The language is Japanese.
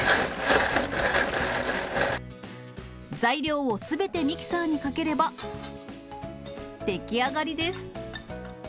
材料をすべてミキサーにかければ、出来上がりです。